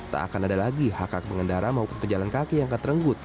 tak akan ada lagi hak hak pengendara maupun pejalan kaki yang akan terenggut